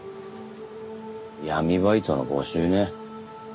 闇バイトの募集ね。